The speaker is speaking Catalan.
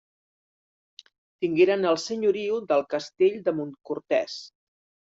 Tingueren el senyoriu del castell de Montcortès.